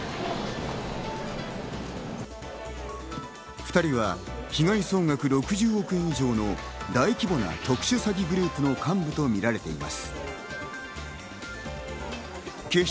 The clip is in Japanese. ２人は被害総額６０億円以上の大規模な特殊詐欺グループの幹部とみられています。